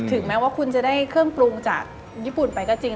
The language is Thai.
แม้ว่าคุณจะได้เครื่องปรุงจากญี่ปุ่นไปก็จริง